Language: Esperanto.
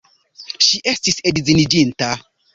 Ŝi estis edziniĝinta!